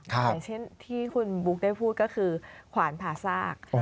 อย่างเช่นที่คุณบุ๊คได้พูดก็คือขวานผ่าซาก